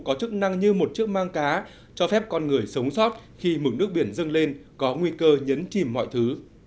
có chức năng như một chiếc mang cá cho phép con người sống sót khi mực nước biển dâng lên có nguy cơ nhấn chìm mọi thứ